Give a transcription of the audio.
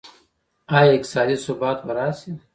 آیا اقتصادي ثبات به راشي؟